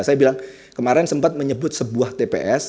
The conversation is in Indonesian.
saya bilang kemarin sempat menyebut sebuah tps